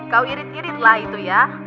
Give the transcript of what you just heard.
kau irit iritlah itu ya